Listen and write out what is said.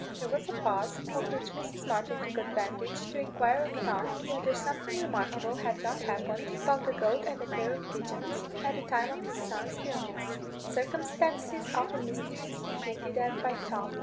There was a pause, of which Mrs. Martin took advantage to inquire of Tom whether something remarkable had not happened about a goat and a pair of pigeons, at the time of his son's illness circumstances often mysteriously hinted at by Tom.